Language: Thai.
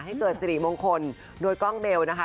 ให้เกิดสิริมงคลโดยกล้องเบลนะคะ